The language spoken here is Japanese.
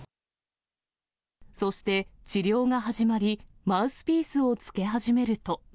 そして、治療が始まり、マウスピースをつけ始めると。